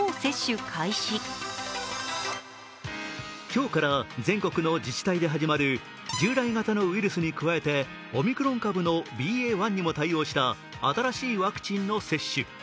今日から全国の自治体で始まる従来型のウイルスに加えてオミクロン株のＢＡ．１にも対応した新しいワクチンの接種。